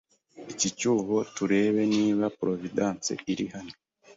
iki cyuho turebe niba Providence iri hano